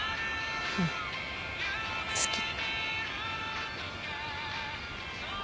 うん好き。